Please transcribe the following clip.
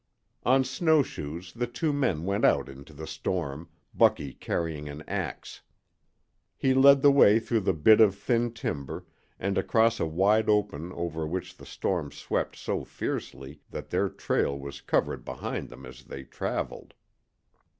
On snow shoes the two men went out into the storm, Bucky carrying an ax. He led the way through the bit of thin timber, and across a wide open over which the storm swept so fiercely that their trail was covered behind them as they traveled.